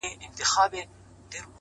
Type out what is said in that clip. پټ کي څرگند دی،